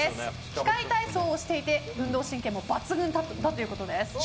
器械体操もしていて運動神経も抜群だということです。